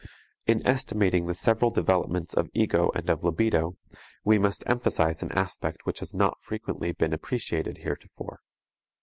In estimating the several developments of ego and of libido, we must emphasize an aspect which has not frequently been appreciated heretofore.